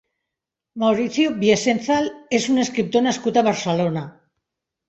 Mauricio Wiesenthal és un escriptor nascut a Barcelona.